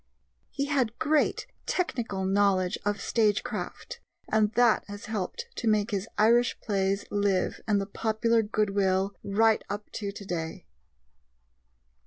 He had great technical knowledge of stagecraft, and that has helped to make his Irish plays live in the popular goodwill right up to today.